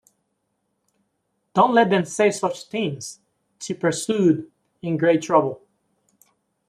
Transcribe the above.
'Don’t let them say such things,’ she pursued in great trouble.